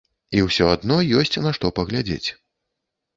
І ўсё адно ёсць на што паглядзець.